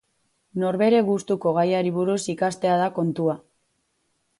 Norbere gustuko gaiari buruz ikastea da kontua.